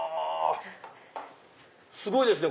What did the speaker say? すごいですね